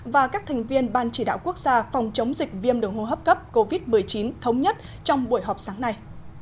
và các thành viên ban chỉ đạo quốc gia phòng chống dịch viêm đường hô hấp cấp covid một mươi chín thống nhất trong buổi họp sáng nay